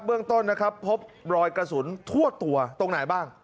เรื่องต้นนะครับพบรอยกระสุนทั่วตัวตรงไหนบ้าง